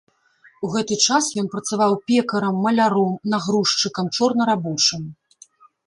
У гэты час ён працаваў пекарам, маляром, нагрузчыкам, чорнарабочым.